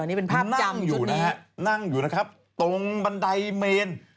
นี่เป็นภาพจำชุดนี้นั่งอยู่นะครับตรงบันไดเมน